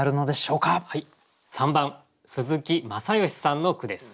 ３番鈴木正芳さんの句です。